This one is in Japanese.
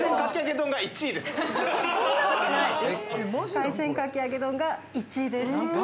海鮮かき揚げ丼が１位ですか？